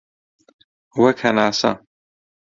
وەک هەناسە